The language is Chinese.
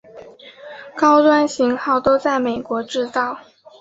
高端型号都在美国制造。